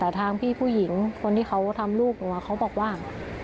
แต่ทางพี่ผู้หญิงคนที่เขาทำลูกหนูเขาบอกว่า